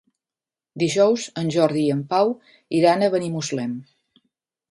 Dijous en Jordi i en Pau iran a Benimuslem.